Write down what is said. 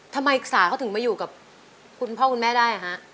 ทำไมสาเขาถึงมาอยู่กับคุณพ่อคุณแม่ได้หรือครับ